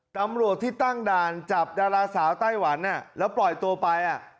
ตำรวจที่ตั้งด่านจับดาราสาวไต้หวันแล้วปล่อยตัวไป